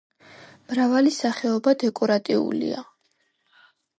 მრავალი სახეობა დეკორატიულია.